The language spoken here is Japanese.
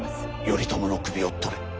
頼朝の首を取れ。